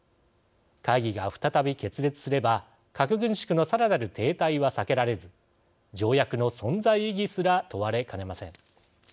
会議が再び決裂すれば核軍縮のさらなる停滞は避けられず条約の存在意義すら問われかねません。